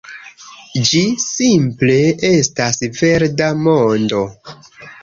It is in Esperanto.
Ĝi simple estas verda mondo